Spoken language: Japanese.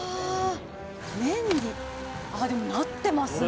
麺になってますね。